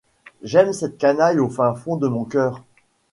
J’aime cette canaille au fin fond de mon cœur.